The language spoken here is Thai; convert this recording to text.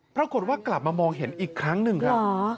ปรากฏว่ากลับมามองเห็นอีกครั้งหนึ่งครับ